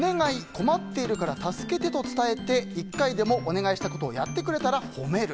困っているから助けてと伝えて１回でもお願いしたことをやってくれたら褒める。